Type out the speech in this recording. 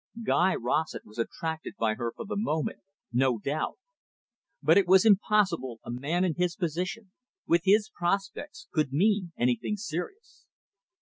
Guy Rossett was attracted by her for the moment, no doubt. But it was impossible a man in his position, with his prospects, could mean anything serious.